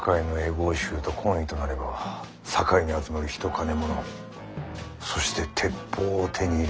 合衆と懇意となれば堺に集まる人金物そして鉄砲を手に入れるも同様。